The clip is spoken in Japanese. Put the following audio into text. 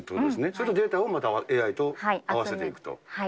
それでデータをまたＡＩと合わせていくと。